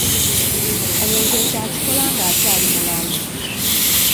Omuntu ekyo akikola ng'akyali mulamu.